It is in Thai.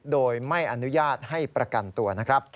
โดยไม่อนุญาตให้ประกันตัว